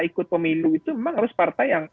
ikut pemilu itu memang harus partai yang